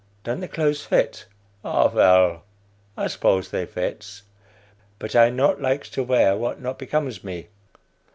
(Don't the clothes fit?) Ah, vell, I suppose they fits, but I not likes to wear what not becomes me."